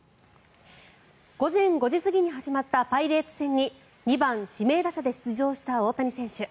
午前５時過ぎに始まったパイレーツ戦に２番指名打者で出場した大谷選手。